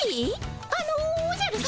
あのおじゃるさま。